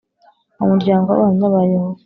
umuryango w Abahamya ba Yehova